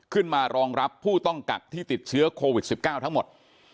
รองรับผู้ต้องกักที่ติดเชื้อโควิด๑๙ทั้งหมด